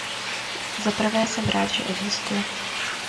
Za prvé jsem rád, že existuje.